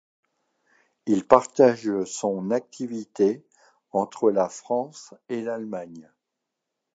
Il partage son activité entre la France et l'Allemagne.